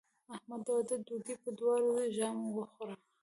احمد د واده ډوډۍ په دواړو ژامو وخوړه.